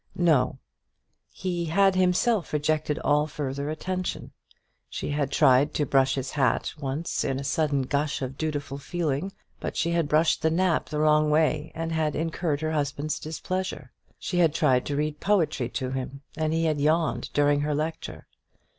No; he had himself rejected all further attention. She had tried to brush his hat once in a sudden gush of dutiful feeling; but she had brushed the nap the wrong way, and had incurred her husband's displeasure. She had tried to read poetry to him, and he had yawned during her lecture.